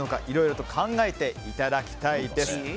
いろいろと考えていただきたいです。